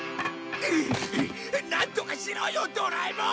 なんとかしろよドラえもん！